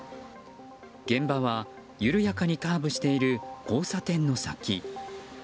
現場は緩やかにカーブしている交差点の先。